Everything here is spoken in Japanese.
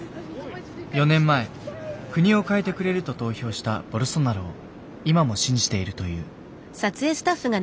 ４年前国を変えてくれると投票したボルソナロを今も信じているという。